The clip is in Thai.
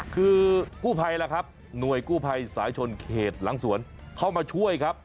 คือกู้ภัยล่ะครับหน่วยกู้ภัยสายชนเขตหลังสวนเข้ามาช่วยครับ